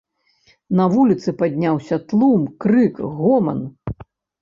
На вуліцы падняўся тлум, крык, гоман.